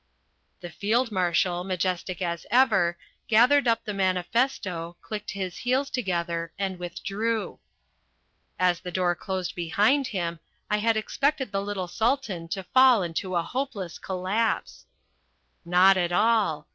The Field Marshal, majestic as ever, gathered up the manifesto, clicked his heels together and withdrew. As the door closed behind him, I had expected the little Sultan to fall into hopeless collapse. Not at all.